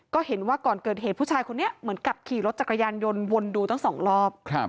ก็เห็นว่าก่อนเกิดเหตุผู้ชายคนนี้เหมือนกับขี่รถจักรยานยนต์วนดูตั้ง๒รอบ